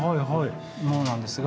ものなんですが。